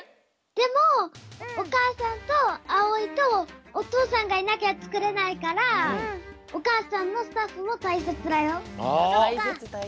でもおかあさんとあおいとおとうさんがいなきゃつくれないからおかあさんのたいせつたいせつ。